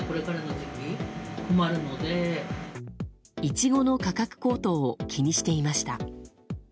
イチゴの価格高騰を気にしていました。